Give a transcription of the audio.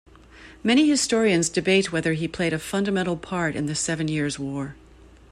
Many historians debate whether he played a fundamental part in the Seven Years' War.